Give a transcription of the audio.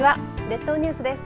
列島ニュースです。